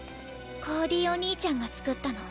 コーディお兄ちゃんがつくったの。